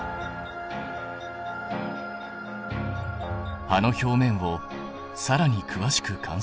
葉の表面をさらにくわしく観察。